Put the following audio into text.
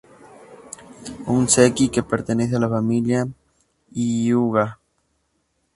Un "Seki" que pertenece a la familia Hyūga.